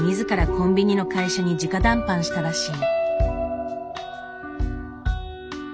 コンビニの会社に直談判したらしい。